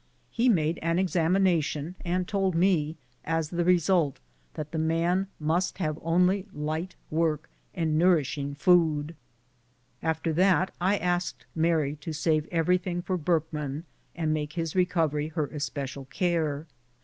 He made an examination, and told me, as the result, that the man 68 BOOTS AND SADDLES. must have only light work and nourishing food. After that I asked Mary to save everything for Burkman and make his recovery her especial care.